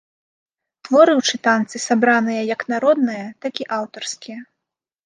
Творы ў чытанцы сабраныя як народныя, так і аўтарскія.